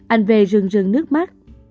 anh v rừng rừng nước mắt